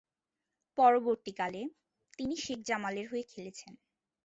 পরবর্তীকালে, তিনি শেখ জামালের হয়ে খেলেছেন।